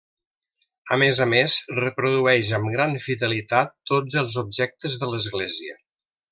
A més a més, reprodueix amb gran fidelitat tots els objectes de l'església.